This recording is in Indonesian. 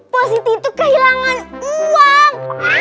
posisi itu kehilangan uang